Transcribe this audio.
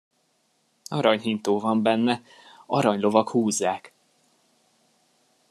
Aranyhintó van benne, aranylovak húzzák!